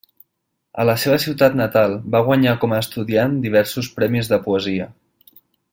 A la seva ciutat natal, va guanyar com a estudiant diversos premis de poesia.